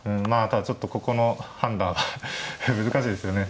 ただちょっとここの判断難しいですよね。